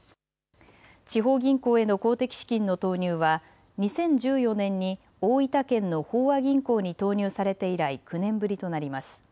地方銀行への公的資金の投入は２０１４年に大分県の豊和銀行に投入されて以来９年ぶりとなります。